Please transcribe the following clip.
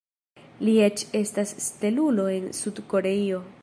Li eĉ estas stelulo en Sud-Koreio.